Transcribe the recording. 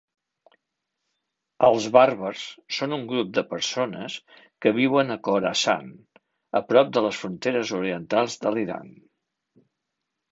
Els bàrbars són un grup de persones que viuen a Khorasan, a prop de les fronteres orientals de l'Iran.